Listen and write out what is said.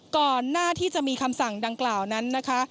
ก่อนหน้าที่จะมีคำสั่งดังกล่าวนั้นนะคะ